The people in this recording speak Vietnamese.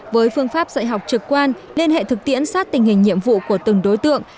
với phương pháp dạy học trực quan liên hệ thực tiễn sát tình hình nhiệm vụ của từng đối tượng